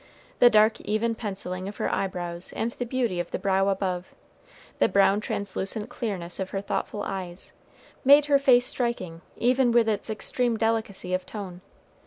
The dark, even penciling of her eyebrows, and the beauty of the brow above, the brown translucent clearness of her thoughtful eyes, made her face striking even with its extreme delicacy of tone.